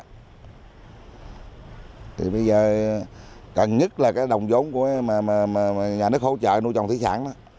thì bây giờ cần nhất là cái đồng giống của nhà nước hỗ trợ nuôi trồng thủy sản đó